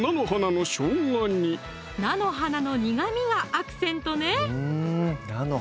菜の花の苦みがアクセントね